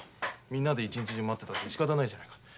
みんなで一日中待ってたってしかたないじゃないか。